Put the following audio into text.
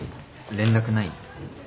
連絡ない？